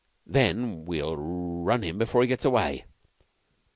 "Then we'll run into him before he gets away."